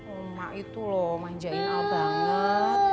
emak itu loh manjain al banget